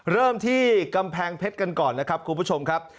เริ่มที่กำแพงเพชรกันก่อนนะครับคุณผู้ชมครับ